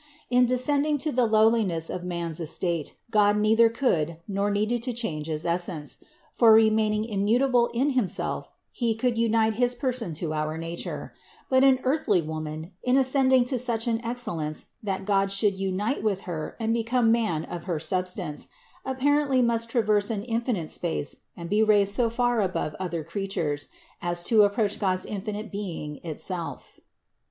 In descending to the lowliness of man's estate, God neither could, nor needed to change his essence: for, remaining immutable in Himself, He could unite his Person to our nature; but an earthly woman, in ascend ing to such an excellence that God should unite with Her and become man of her substance, apparently must traverse an infinite space and be raised so far above other creatures, as to approach God's infinite being itself.